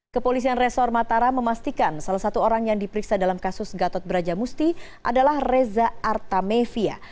kepolisian resor mataram memastikan salah satu orang yang diperiksa dalam kasus gatot brajamusti adalah reza artamevia